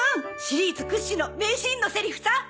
シリーズ屈指の名シーンのセリフさ。